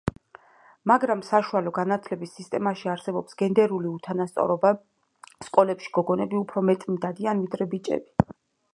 მაგრამ საშუალო განათლების სისტემაში არსებობს გენდერული უთანასწორობა, სკოლებში გოგონები უფრო მეტნი დადიან, ვიდრე ბიჭები.